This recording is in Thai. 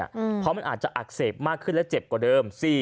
เพราะมันอาจจะอักเสบมากขึ้นและเจ็บกว่าเดิม